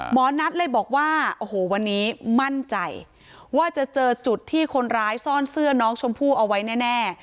หมอนัทเลยบอกว่าโอ้โหวันนี้มั่นใจว่าจะเจอจุดที่คนร้ายซ่อนเสื้อน้องชมพู่เอาไว้แน่